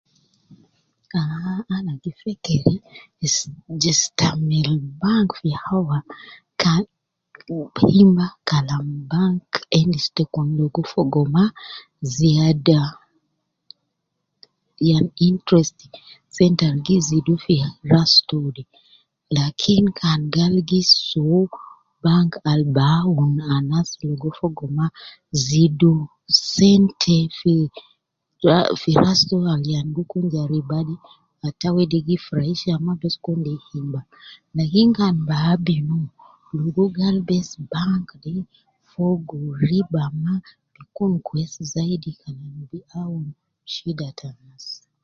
Aha ana gi fekeri is Jestamil bank fi hawa ka, gi ma Kalam bank endis te kun logo fogo ma ,ziada, yan interest ,sente al gi zidu fi ras to de, lakin kan gal gi soo bank al biawun anas ligo fogo ma zidu sente fi ras, fi ras to al yan gi kun je riba de ata wede gi furaisha ma bes kun de riba lakin ana ligo bes bank de fogo riba ma gi kun kwesi zaidi giawun shida te anas